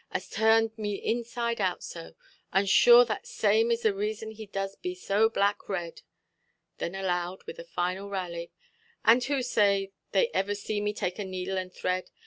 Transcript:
"as turns me inside out so. And sure that same is the reason he does be so black red". Then aloud, with a final rally— "And who say they iver see me take a needle and thread?